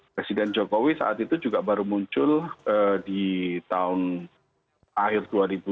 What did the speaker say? presiden jokowi saat itu juga baru muncul di tahun akhir dua ribu dua puluh